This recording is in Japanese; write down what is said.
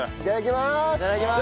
いただきます！